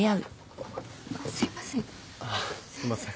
すいません。